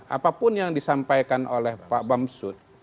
apapun yang disampaikan oleh pak bamsud